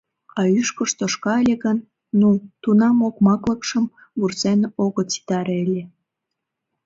А ӱшкыж тошка ыле гын — ну, тунам окмаклыкшым вурсен огыт ситаре ыле.